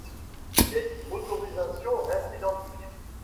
Les motorisations restent identiques.